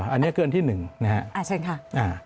อันนี้คืออันที่๑นะครับ